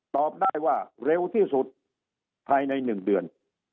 ตอบได้ว่าเร็วที่สุดภายใน๑เดือน